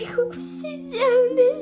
死んじゃうんでしょ？